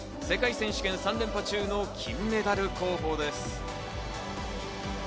世界選手権３連覇中の金メダル候補です。